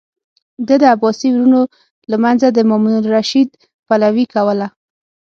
ده د عباسي ورونو له منځه د مامون الرشید پلوي کوله.